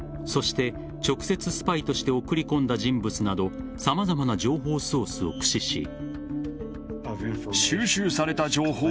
そして、直接スパイとして送り込んだ人物など様々な情報ソースを駆使し。